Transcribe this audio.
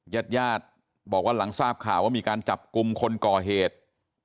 ญาติญาติบอกว่าหลังทราบข่าวว่ามีการจับกลุ่มคนก่อเหตุ